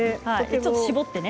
ちょっと絞ってね。